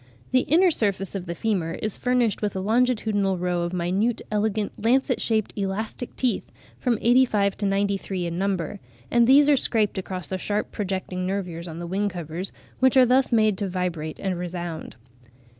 The inner surface of the femur (Fig. 14, r) is furnished with a longitudinal row of minute, elegant, lancet shaped, elastic teeth, from 85 to 93 in number (40. Landois, ibid. s. 113.); and these are scraped across the sharp, projecting nervures on the wing covers, which are thus made to vibrate and resound.